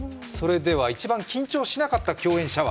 一番緊張しなかった共演者は？